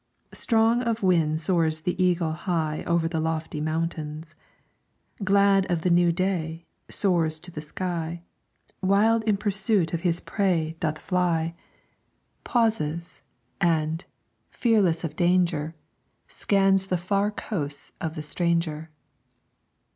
Strong of wing soars the eagle high Over the lofty mountains; Glad of the new day, soars to the sky, Wild in pursuit of his prey doth fly; Pauses, and, fearless of danger, Scans the far coasts of the stranger.